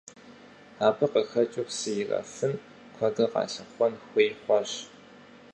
Абы къыхэкӏыу псы ирафын куэдрэ къалъыхъуэн хуей хъуащ.